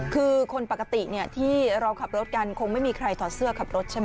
คือคนปกติที่เราขับรถกันคงไม่มีใครถอดเสื้อขับรถใช่ไหม